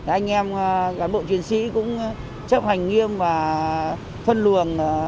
anh em cán bộ chiến sĩ cũng chấp hành nghiêm và phân luồng